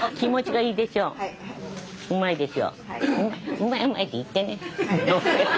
うまいうまいって言ってね。